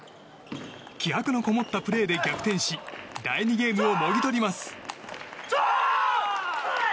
気迫のこもったプレーで逆転し第２ゲームをもぎ取ります。